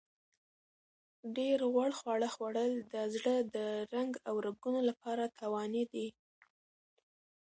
ډېر غوړ خواړه خوړل د زړه د رنګ او رګونو لپاره تاواني دي.